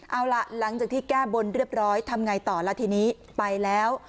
เอาล่ะหลังจากที่แก้บนเรียบร้อยทำไงต่อล่ะทีนี้ไปแล้ว